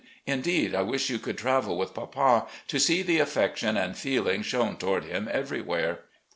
Indeed, I wish you could travel with papa, to see the affection and feeling shown toward him everywhere.